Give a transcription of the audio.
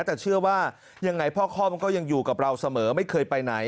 แต่เชื่อว่ายังไงพ่อคล่อมก็ยังอยู่กับเราเสมอไม่เคยไปไหน